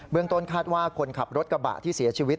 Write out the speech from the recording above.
ต้นคาดว่าคนขับรถกระบะที่เสียชีวิต